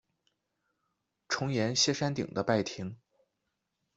重檐歇山顶的拜亭。